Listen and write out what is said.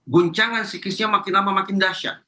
guncangan psikisnya makin lama makin dahsyat